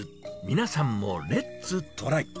皆さんもレッツトライ。